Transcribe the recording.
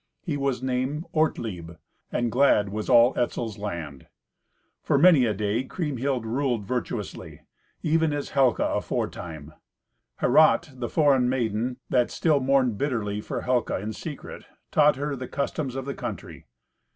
He was named Ortlieb, and glad was all Etzel's land. For many a day Kriemhild ruled virtuously, even as Helca aforetime. Herrat, the foreign maiden, that still mourned bitterly for Helca in secret, taught her the customs of the country.